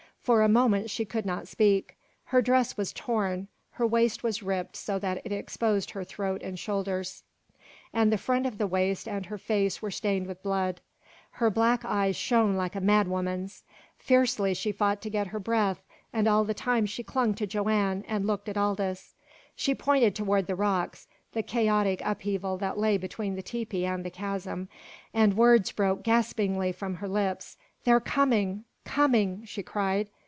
For a moment she could not speak. Her dress was torn; her waist was ripped so that it exposed her throat and shoulder; and the front of the waist and her face were stained with blood. Her black eyes shone like a madwoman's. Fiercely she fought to get her breath, and all the time she clung to Joanne, and looked at Aldous. She pointed toward the rocks the chaotic upheaval that lay between the tepee and the chasm and words broke gaspingly from her lips. "They're coming! coming!" she cried.